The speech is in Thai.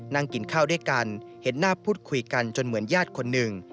นั่งกินข้าวด้วยกันเห็นหน้าพูดคุยกันจนเหมือนญาติคนหนึ่ง